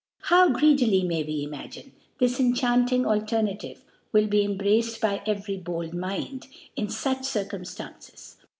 How greedily, may we imagine, this enchanting Alternative will be embraoed by every bold Mind, in fuch Grcumftances